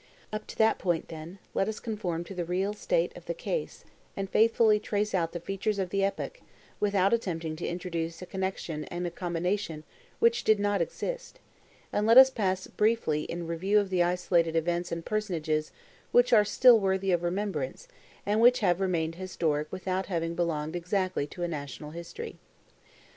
Up to that point, then, let us conform to the real state of the case, and faithfully trace out the features of the epoch, without attempting to introduce a connection and a combination which did not exist; and let us pass briefly in review the isolated events and personages which are still worthy of remembrance, and which have remained historic without having belonged exactly to a national history.